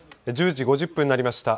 １０時５０分になりました。